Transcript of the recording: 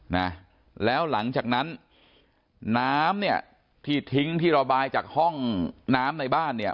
นะแล้วหลังจากนั้นน้ำเนี่ยที่ทิ้งที่ระบายจากห้องน้ำในบ้านเนี่ย